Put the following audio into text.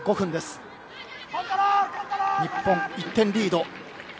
日本、１点リード。